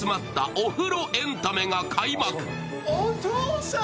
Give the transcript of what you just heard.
お父さん！